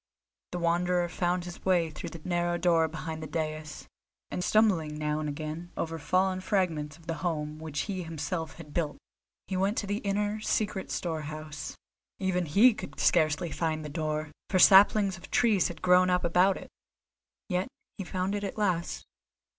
The Wanderer found his way through the narrow door behind the dais, and stumbling now and again over fallen fragments of the home which he himself had built, he went to the inner, secret storehouse. Even he could scarcely find the door, for saplings of trees had grown up about it; yet he found it at last.